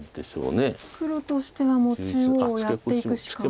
黒としては中央やっていくしか。